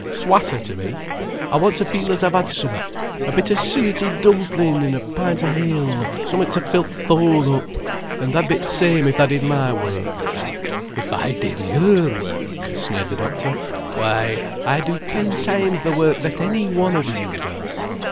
'S watter ter me. I want ter feel as I've had summat: a bit o' suetty dumplin' an' a pint o' hale, summat ter fill th' hole up. An' tha'd be th' same if tha did my work." "If I did your work," sneered the doctor. "Why I do ten times the work that any one of you does.